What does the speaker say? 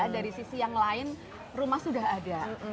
dari sisi yang lain rumah sudah ada